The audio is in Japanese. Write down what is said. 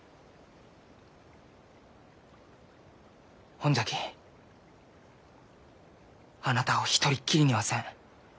ほんじゃきあなたを一人っきりにはせん。